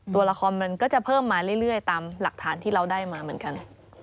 ตัวละครมันก็จะเพิ่มมาเรื่อยตามหลักฐานที่เราได้มาเหมือนกัน